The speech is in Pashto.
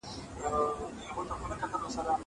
زه له سهاره سينه سپين کوم!